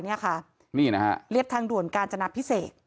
เรียบทางด่วนการจนาภิเษก